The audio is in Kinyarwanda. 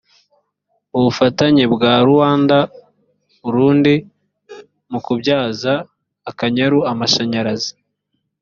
ubufatanye bwa ruanda urundi mu kubyaza akanyaru amashanyarazi